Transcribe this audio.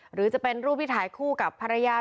หรือจะเป็นรูปที่ถ่ายคู่กับภรรยา